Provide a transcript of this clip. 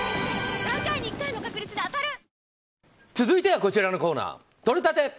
続いてはこちらのコーナーとれたて！